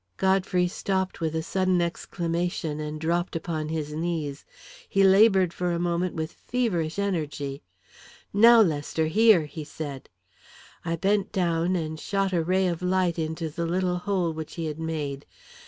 Godfrey stopped with a sudden exclamation, and dropped upon his knees. He laboured for a moment with feverish energy. "Now, Lester, here!" he said. I bent down and shot a ray of light into the little hole which he had made.